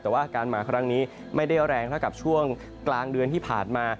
แต่ว่าการมาครั้งนี้ไม่ได้แรงเท่ากับช่วงกลางเดือนที่ผ่านมา